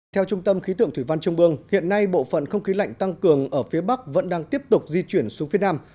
theo trung tâm khí tượng thủy văn trung ương hiện nay bộ phận không khí lạnh tăng cường ở phía bắc vẫn đang tiếp tục di chuyển xuống phía nam